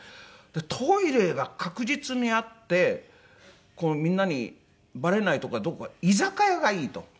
トイレが確実にあってみんなにバレないとこはどこか居酒屋がいいと。